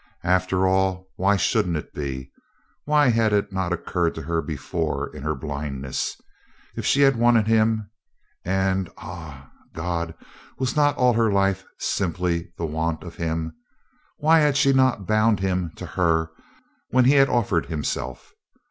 After all, why shouldn't it be? Why had it not occurred to her before in her blindness? If she had wanted him and ah, God! was not all her life simply the want of him? why had she not bound him to her when he had offered himself?